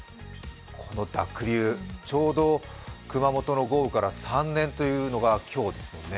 この濁流、ちょうど熊本の豪雨から３年というのが今日ですからね。